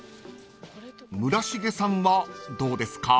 ［村重さんはどうですか？］